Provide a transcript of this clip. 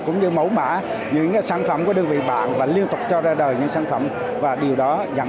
cũng như mẫu mã những sản phẩm của đơn vị bạn và liên tục cho ra đời những sản phẩm và điều đó dẫn